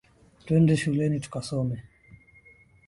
Twende shuleni tukasome.